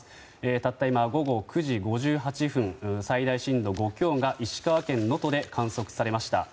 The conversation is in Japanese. たった今、午後９時５８分最大深度５強が石川県能登で観測されました。